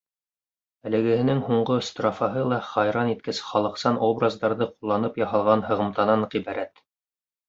Әлегеһенең һуңғы строфаһы ла хайран иткес халыҡсан образдарҙы ҡулланып яһалған һығымтанан ғибәрәт.